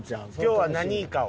今日は何イカを？